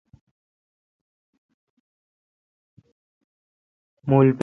موُل پچہ۔